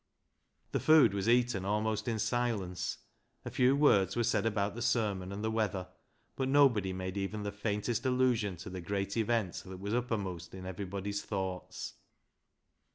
The food was eaten almost in silence. A few words were said about the sermon and the weather, but nobody made even the faintest allusion to the great event that was uppermost in everybody's thoughts.